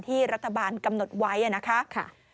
รัฐบาลกำหนดไว้นะคะ